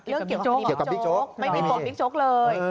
เรื่องเกี่ยวกับบิ๊กโจ๊กไม่มีบอกบิ๊กโจ๊กเลย